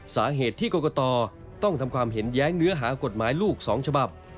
สาเหตุที่กรกตต้องทำความเห็นแย้งเนื้อหากฎหมายลูก๒ฉบับ